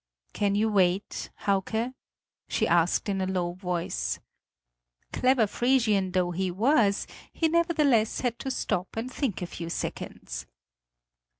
"Can you wait, Hauke?" she asked in a low voice. Clever Frisian though he was, he nevertheless had to stop and think a few seconds.